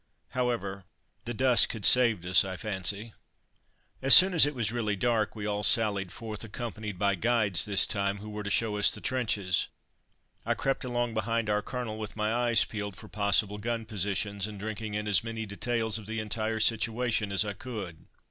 However, the dusk had saved us, I fancy. [Illustration: Comin' on down to the Estaminet tonight, Arry?] As soon as it was really dark we all sallied forth, accompanied by guides this time, who were to show us the trenches. I crept along behind our Colonel, with my eyes peeled for possible gun positions, and drinking in as many details of the entire situation as I could.